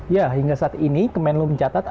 ya hingga saat ini kementerian luar negeri mencatat